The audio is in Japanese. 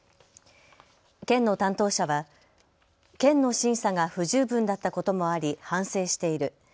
県の担当者は県の審査が不十分だったこともあり反省している。